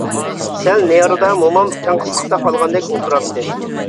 سەل نېرىدا مومام تەڭقىسلىقتا قالغاندەك ئولتۇراتتى.